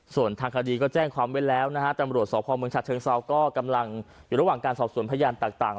ส่วนทางคดีก็แจ้งความไว้แล้วนะฮะตำรวจสพเมืองฉะเชิงเซาก็กำลังอยู่ระหว่างการสอบสวนพยานต่าง